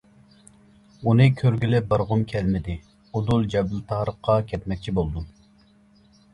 ئۇنى كۆرگىلى بارغۇم كەلمىدى، ئۇدۇل جەبىلتارىققا كەتمەكچى بولدۇم.